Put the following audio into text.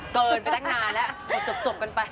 เกินไปตั้งนานแล้วเดี๋ยวจบกันไป